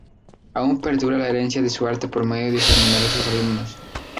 Aún perdura la herencia de su arte por medio de sus numerosos alumnos.